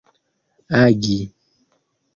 agi